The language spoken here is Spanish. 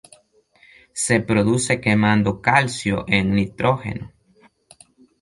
Se produce quemando calcio en nitrógeno.